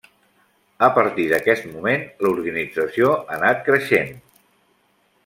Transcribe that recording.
A partir d'aquest moment l'organització ha anat creixent.